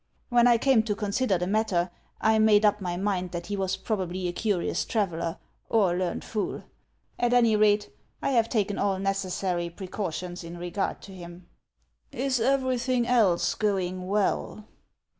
When 1 came to consider the matter, I made up my mind that he was probably a curious traveller or a learned fool. At any rate, I have taken all necessary precautions in regard to him." " Is everything else going well